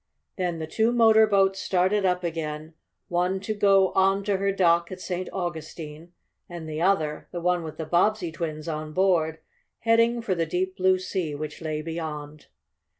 Then the two motor boats started up again, one to go on to her dock at St. Augustine and the other the one with the Bobbsey twins on board heading for the deep blue sea which lay beyond.